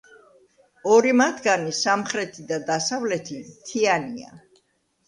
ორი მათგანი, სამხრეთი და დასავლეთი, მთიანია.